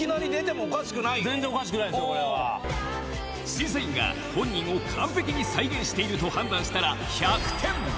審査員が本人を完璧に再現していると判断したら１００点！